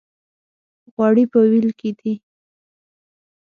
غوړي په وېل کې دي.